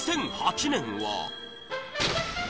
２００８年は？